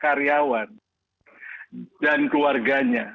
karena karyawan dan keluarganya